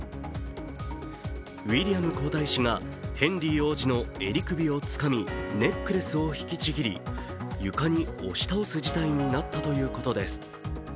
ウィリアム皇太子がヘンリー王子の襟首をつかみ、ネックレスを引きちぎり、床に押し倒す事態になったということです。